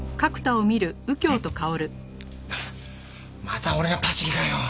また俺がパシリかよ。